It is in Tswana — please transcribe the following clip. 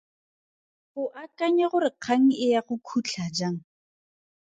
O akanya gore kgang e ya go khutla jang?